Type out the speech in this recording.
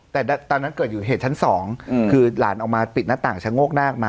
แต่ตอนนั้นเกิดอยู่เหตุชั้นสองคือหลานออกมาปิดหน้าต่างชะโงกนาคมา